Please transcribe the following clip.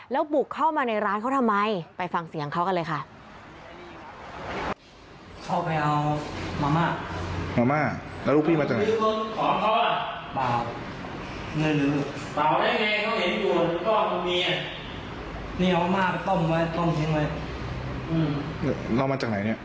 แล้วบุกเข้ามาในร้านเขาทำไมไปฟังเสียงเขากันเลยค่ะ